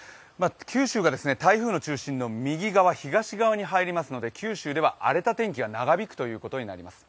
九州が台風の中心の右側東側に入りますので九州では荒れた天気が長引くことになります。